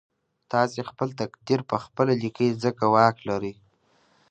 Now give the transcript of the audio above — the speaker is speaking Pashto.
تاسې خپل تقدير پخپله ليکئ ځکه واک لرئ.